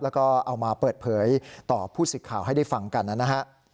แล้วก็เอามาเปิดเผยต่อผู้สิทธิ์ข่าวให้ได้ฟังกันนะฮะ